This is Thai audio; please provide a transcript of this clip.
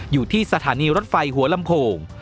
อยู่ที่สถานีรถไฟหัวลำโพง